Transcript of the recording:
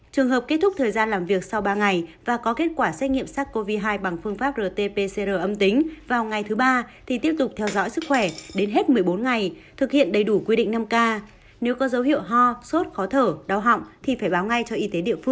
trường hợp kết thúc thời gian làm việc sau ba ngày và có kết quả xét nghiệm sars cov hai bằng phương pháp rt pcr âm tính vào ngày thứ ba thì tiếp tục theo dõi sức khỏe đến hết một mươi bốn ngày thực hiện đầy đủ quy định năm k